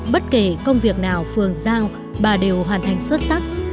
bất kể công việc nào phường giao bà đều hoàn thành xuất sắc